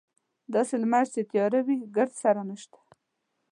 داسې لمر چې تیاره وي ګردسره نشته.